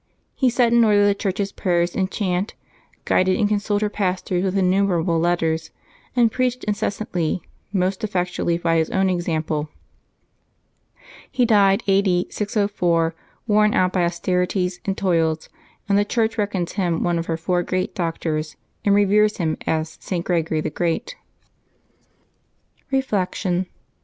He set in order the Church's prayers and chant, guided and consoled her pastors with innumerable letters, and preached incessantly, most effectually by his own example. He died a. d. 604, worn out by austerities and toils ; and the Church reckons him one of her four great doctors, and re'vcres him as St. Gregory the Great. 106 LIVES OF TEE SAINTS [Mabch 13 Reflection.